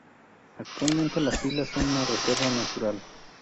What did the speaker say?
Actualmente las islas son una reserva natural.